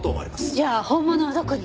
じゃあ本物はどこに？